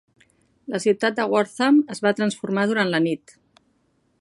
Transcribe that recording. La ciutat de Wortham es va transformar durant la nit.